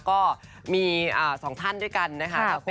ก็มี๒ท่านด้วยกันนะคะ